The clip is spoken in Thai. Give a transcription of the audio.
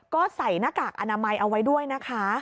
ก็ใส่หน้ากากอนามัยเอาไว้ด้วยนะคะ